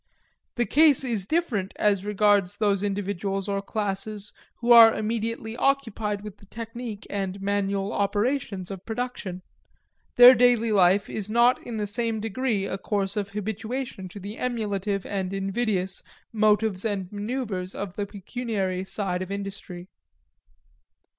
The case is different as regards those individuals or classes who are immediately occupied with the technique and manual operations of production. Their daily life is not in the same degree a course of habituation to the emulative and invidious motives and maneuvers of the pecuniary side of industry.